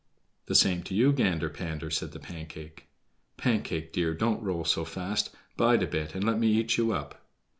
"The same to you, Gander pander," said the Pancake. "Pancake, dear, don't roll so fast; bide a bit and let me eat you up."